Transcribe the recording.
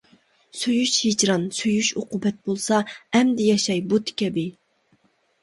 سۆيۈش ھىجران، سۆيۈش ئوقۇبەت، بولسا ئەمدى ياشاي بۇت كەبى!